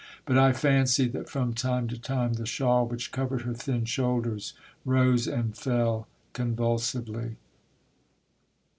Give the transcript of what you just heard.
But I fancied that from time to time the shawl which covered her thin shoulders rose and fell convulsively.